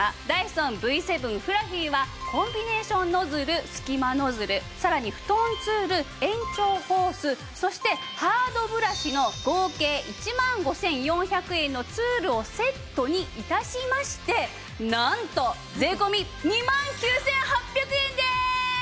ダイソンＶ７フラフィはコンビネーションノズル隙間ノズルさらにフトンツール延長ホースそしてハードブラシの合計１万５４００円のツールをセットに致しましてなんと税込２万９８００円です！